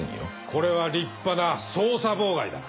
これは立派な捜査妨害だ。